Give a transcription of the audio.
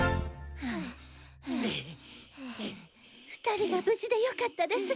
２人が無事でよかったです。